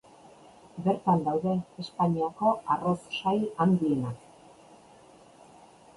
Bertan daude Espainiako arroz-sail handienak.